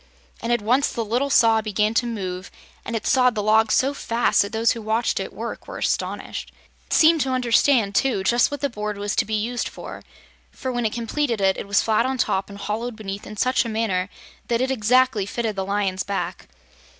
And at once the Little Saw began to move and it sawed the log so fast that those who watched it work were astonished. It seemed to understand, too, just what the board was to be used for, for when it was completed it was flat on top and hollowed beneath in such a manner that it exactly fitted the Lion's back.